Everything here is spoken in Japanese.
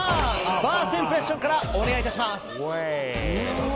ファーストインプレッションからお願いいたします。